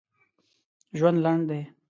ژوند لنډ دي!